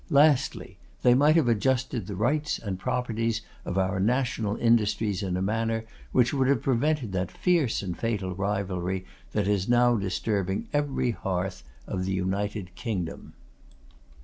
Lastly, they might have adjusted the rights and properties of our national industries in a manner which would have prevented that fierce and fatal rivalry that is now disturbing every hearth of the United Kingdom.